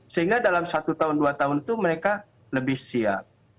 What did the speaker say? sehingga dalam satu tahun dua tahun itu mereka lebih siap